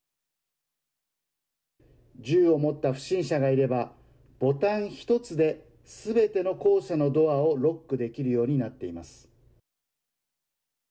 銃を持った不審者がいればボタン１つですべての校舎のドアをロックできるようになっています。